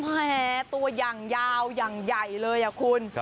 แหมตัวยังยาวยังใหญ่เลยคุณ